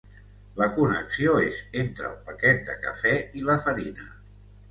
La connexió és entre el paquet de cafè i la farina.